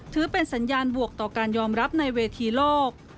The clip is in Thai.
ถือเป็นสัญญาณบวกต่อการยอมรับในเวทีโลก